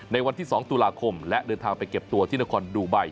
ในวันที่๒ตุลาคมและเดินทางไปเก็บตัวที่นครดูไบ